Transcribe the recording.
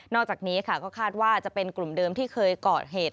อกจากนี้ค่ะก็คาดว่าจะเป็นกลุ่มเดิมที่เคยก่อเหตุ